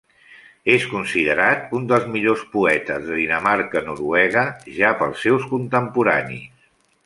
És considerat un dels millors poetes de Dinamarca-Noruega, ja pels seus contemporanis.